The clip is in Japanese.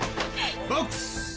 ボックス！